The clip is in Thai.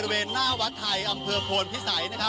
มันอาจจะเป็นแก๊สธรรมชาติค่ะ